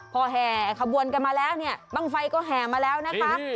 พอแห่ขบวนกันมาแล้วเนี่ยบ้างไฟก็แห่มาแล้วนะคะ